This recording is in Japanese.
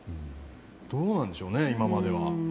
どうなんでしょうね、今までは。